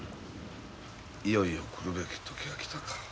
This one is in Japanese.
いよいよ来るべき時が来たか。